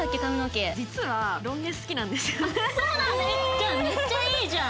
じゃあめっちゃいいじゃん。